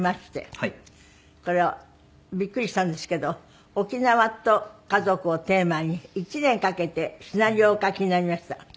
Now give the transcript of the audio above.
これビックリしたんですけど「沖縄と家族」をテーマに１年かけてシナリオをお書きになりました。